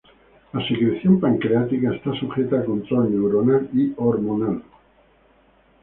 La secreción pancreática está sujeta a control neuronal y hormonal.